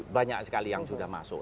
banyak sekali yang sudah masuk